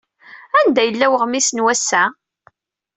Anda yella uɣmis n wass-a?